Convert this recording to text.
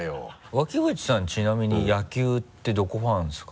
脇淵さんちなみに野球ってどこファンですか？